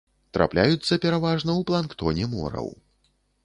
Трапляюцца пераважна ў планктоне мораў.